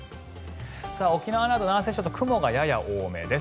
沖縄など南西諸島は雲がやや多めです。